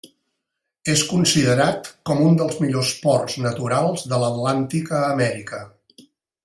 És considerat com un dels millors ports naturals de l'Atlàntic a Amèrica.